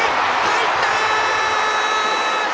入った！